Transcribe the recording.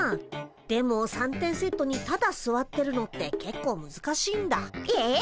でも三点セットにただすわってるのってけっこうむずかしいんだ。え？